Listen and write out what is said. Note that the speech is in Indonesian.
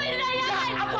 mirza aku harus ngelaporin